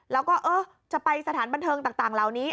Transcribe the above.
แล้วก็จะไปสถานบันเทิงต่างเหล่านี้